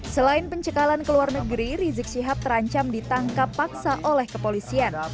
selain pencekalan ke luar negeri rizik syihab terancam ditangkap paksa oleh kepolisian